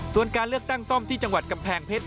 ส่วนการเลือกตั้งซ่อมที่จังหวัดกำแพงเพชร